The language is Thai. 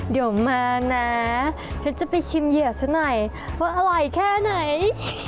เดี๋ยวมานะฉันจะไปชิมเหยื่อซะหน่อยว่าอร่อยแค่ไหน